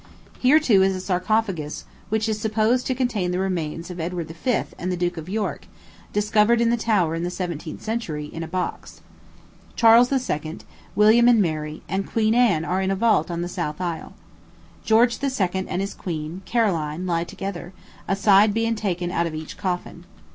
Here, too, is a sarcophagus, which is supposed to contain the remains of Edward V. and the Duke of York, discovered in the Tower in the seventeenth century, in a box. Charles II., William and Mary, and Queen Anne are in a vault on the south aisle. George II. and his queen, Caroline, lie together, a side being taken out of each coffin.